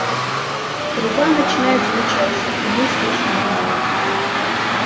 Труба начинает звучать и мы слышим рифму.